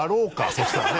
そうしたらね。